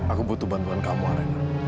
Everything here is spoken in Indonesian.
aku butuh bantuan kamu arena